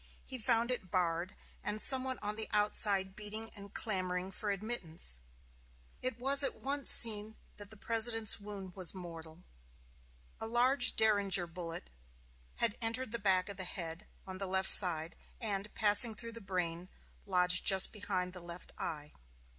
He found it barred, and some one on the outside beating and clamoring for admittance. It was at once seen that the President's wound was mortal. A large derringer bullet had entered the back of the head, on the left side, and, passing through the brain, lodged just behind the left eye.